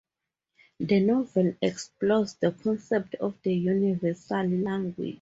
The novel explores the concept of the universal language.